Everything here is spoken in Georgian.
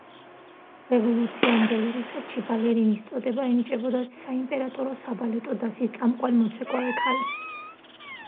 რევოლუციამდელ რუსეთში ბალერინის წოდება ენიჭებოდათ საიმპერატორო საბალეტო დასის წამყვან მოცეკვავე ქალებს.